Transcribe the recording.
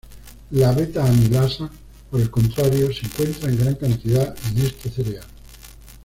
La beta-amilasa, por el contrario, se encuentra en gran cantidad en este cereal.